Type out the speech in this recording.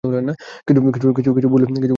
কিছু ভুল বলেছি নাকি?